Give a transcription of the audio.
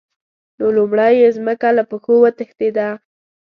نو لومړی یې ځمکه له پښو وتښتېده.